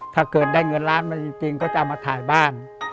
ถ้าเกิดได้เงินล้านมาจริงก็จะเอามาถ่ายบ้าน